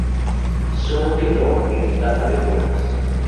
Solo quedó en etapa de pruebas.